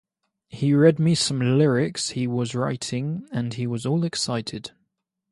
He read me some lyrics he was writing and he was all excited.